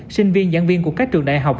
sinh viên giảng viên của các trường đại học